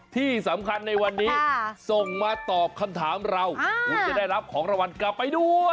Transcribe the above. ที่สำคัญในวันนี้ส่งมาตอบคำถามเราคุณจะได้รับของรางวัลกลับไปด้วย